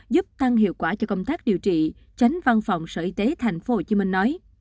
giúp tăng hiệu quả cho công tác điều trị chánh văn phòng sở y tế thành phố hồ chí minh nói